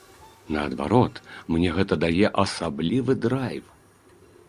Наадварот, мне гэта дае асаблівы драйв.